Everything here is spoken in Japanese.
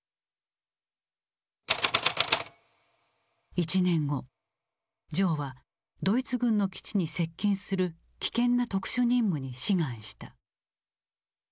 １年後ジョーはドイツ軍の基地に接近する危険な特殊任務に志願した。